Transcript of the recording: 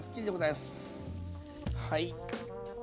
はい。